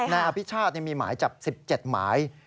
นายอภิชาติมีหมายจับ๑๗หมาย